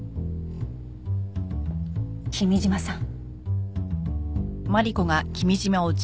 君嶋さん。